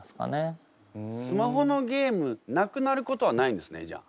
スマホのゲームなくなることはないんですねじゃあ。